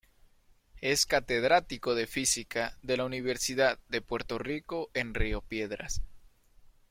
Es catedrático de Física de la Universidad de Puerto Rico en Río Piedras.